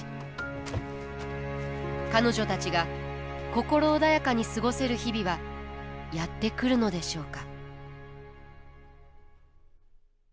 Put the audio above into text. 彼女たちが心穏やかに過ごせる日々はやって来るのでしょうか。